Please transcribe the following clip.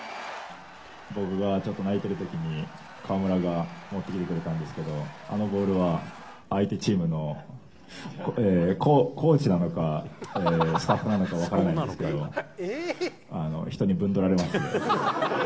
僕がちょっと泣いてるときに、河村が持ってきてくれたんですけど、あのボールは、相手チームのコーチなのか、スタッフなのか分からないですけど、人にぶんどられまして。